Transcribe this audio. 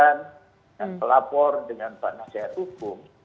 dengan pelapor dengan para nasihat hukum